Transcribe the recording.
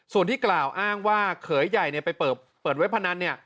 ส่วนที่กล่าวอ้างว่าเขยใหญ่ไปเปิดเว็บพนันเนี่ย